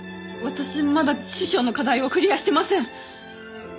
私まだ師匠の課題をクリアしてません。